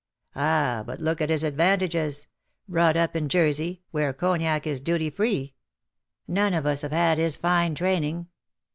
''Ah, but look at his advantages — brought up in Jersey, where cognac is duty free. None of us have had his fine training.